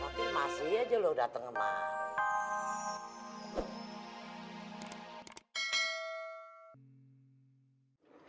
makin masih aja lo dateng emang